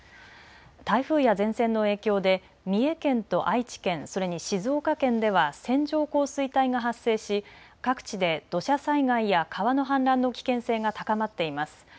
台風や前線の影響で三重県と愛知県それに静岡県では線状降水帯が発生し各地で土砂災害や川の氾濫の危険性が高まっています。